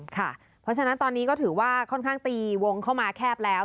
เพราะฉะนั้นตอนนี้ก็ถือว่าค่อนข้างตีวงเข้ามาแคบแล้ว